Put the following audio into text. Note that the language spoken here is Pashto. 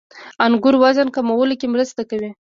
• انګور وزن کمولو کې مرسته کوي.